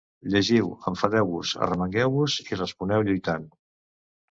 Llegiu, enfadeu-vos, arromangueu-vos i responeu lluitant.